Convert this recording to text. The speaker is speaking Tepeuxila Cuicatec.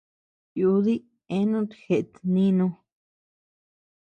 Tiudi eanut jeʼet nínu.